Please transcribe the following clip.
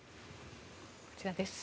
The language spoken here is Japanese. こちらです。